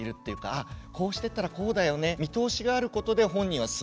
あこうしてったらこうだよね見通しがあることで本人はすごく安心。